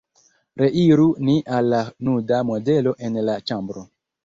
Reiru ni al la nuda modelo en la ĉambro.